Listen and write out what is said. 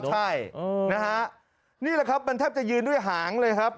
ใช่นะฮะนี่แหละครับมันแทบจะยืนด้วยหางเลยครับ